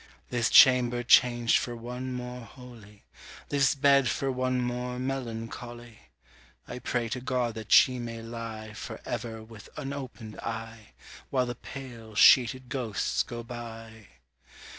This chamber changed for one more holy, This bed for one more melancholy, I pray to God that she may lie For ever with unopened eye, While the pale sheeted ghosts go by!